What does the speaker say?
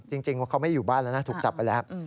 จริงว่าเขาไม่อยู่บ้านแล้วนะถูกจับไปแล้ว